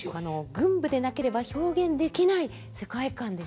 群舞でなければ表現できない世界観でしたよね。